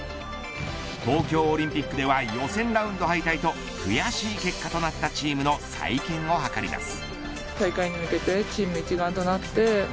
東京オリンピックでは予選ラウンド敗退と悔しい結果となったチームの再建を図ります。